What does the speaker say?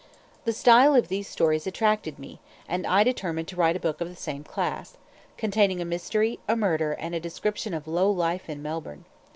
The style of these stories attracted me, and I determined to write a book of the same class; containing a mystery, a murder, and a description of low life in Melbourne.